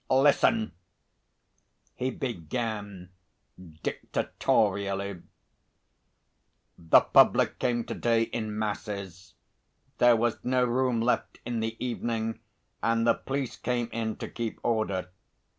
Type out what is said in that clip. "Listen," he began dictatorially. "The public came to day in masses. There was no room left in the evening, and the police came in to keep order.